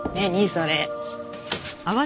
それ。